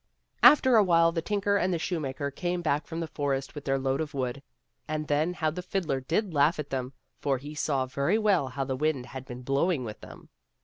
After a while the tinker and the shoemaker came back from the forest with their load of wood, and then how the fiddler did laugh at them, for he saw very well how the wind had been blowing with them.